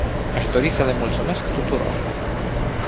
Aș dori să le mulțumesc tuturor.